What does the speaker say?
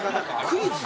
クイズ？